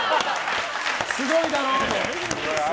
すごいだろ？って。